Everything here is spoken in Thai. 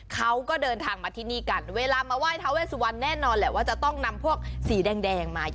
เขาก็เดินทางมาที่นี่กันเวลามาไหว้ทาเวสวันแน่นอนแหละว่าจะต้องนำพวกสีแดงมา